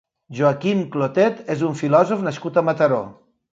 Joaquim Clotet és un filòsof nascut a Mataró.